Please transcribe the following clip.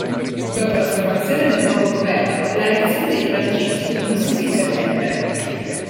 Dopo la formazione del nuovo governo, la reazione dei francesi non si fece attendere.